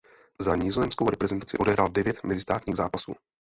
Za nizozemskou reprezentaci odehrál devět mezistátních zápasů.